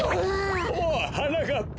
おっはなかっぱ！